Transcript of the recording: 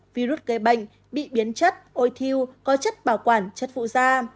virus gây bệnh bị biến chất ôi thiêu có chất bảo quản chất phụ da